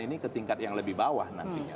ini ke tingkat yang lebih bawah nantinya